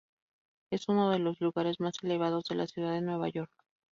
Es uno de los lugares más elevados de la ciudad de Nueva York.